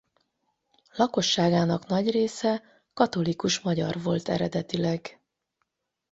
Lakosságának nagy része katolikus magyar volt eredetileg.